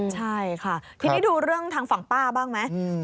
ใช่ค่ะทีนี้ดูเรื่องทางฝั่งป้าบ้างไหม